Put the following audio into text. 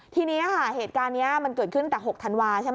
ทีนี้เหตุการณ์นี้เกิดขึ้นตั้ง๖ธันวาส์